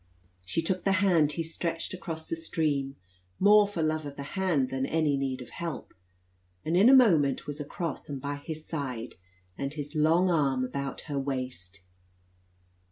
She took the hand he stretched across the stream, more for love of the hand than any need of help, and in a moment was across and by his side, and his long arm about her waist.